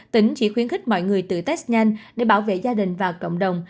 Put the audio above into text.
tỉnh chỉ khuyến khích mọi người tự test nhanh để bảo vệ gia đình và cộng đồng